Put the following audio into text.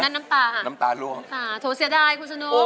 นั่นน้ำตาค่ะโถ่เสียดายคุณสนุก